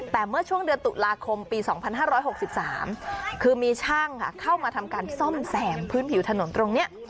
แต่เมื่อช่วงเดือนตุลาคมปี๒๕๖๓คือมีช่างเข้ามาทำการซ่อมแสงพื้นผิวถนนตรงนี้